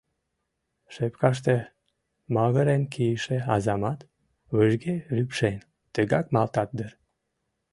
Шепкаште магырен кийыше азамат, выжге рӱпшен, тыгак малтат дыр.